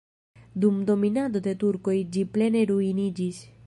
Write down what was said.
Dum dominado de turkoj ĝi plene ruiniĝis.